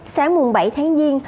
sáng buồn bảy tháng giêng